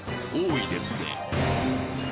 多いですね］